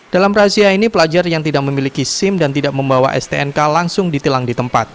dalam razia ini pelajar yang tidak memiliki sim dan tidak membawa stnk langsung ditilang di tempat